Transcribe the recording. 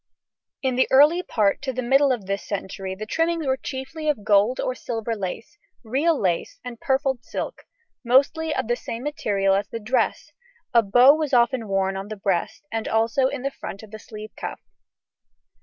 In the early part to the middle of this century the trimmings were chiefly of gold or silver lace, real lace, and purfled silk, mostly of the same material as the dress: a bow was often worn on the breast, and also in the front of the sleeve cuff.